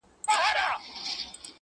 پردى غم تر واورو سوړ دئ.